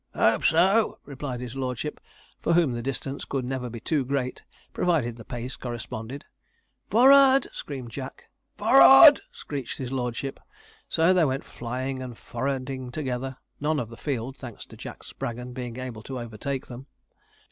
'Hope so,' replied his lordship, for whom the distance could never be too great, provided the pace corresponded. 'F o o r rard!' screamed Jack. 'F o r rard!' screeched his lordship. So they went flying and 'forrarding' together; none of the field thanks to Jack Spraggon being able to overtake them.